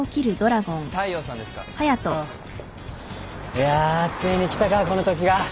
いやついに来たかこのときが。